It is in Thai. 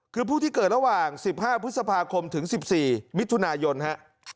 คือผู้ที่เกิดระหว่าง๑๕พฤษภาคมถึง๑๔มิถุนายนฮะ